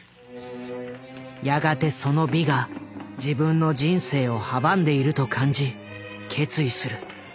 やがてその「美」が自分の人生を阻んでいると感じ決意する。